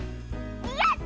やった！